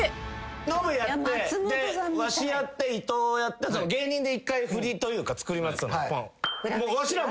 ノブやってでわしやって伊藤やって芸人で一回振りというかつくりますんで。